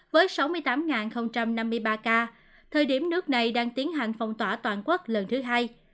với sáu mươi tám năm mươi ba ca thời điểm nước này đang tiến hành phong tỏa toàn quốc lần thứ hai